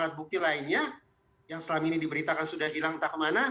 alat bukti lainnya yang selama ini diberitakan sudah hilang entah kemana